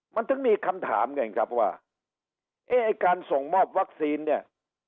มันถึงมีคำถามไงครับว่าเอ๊ะไอ้การส่งมอบวัคซีนเนี่ย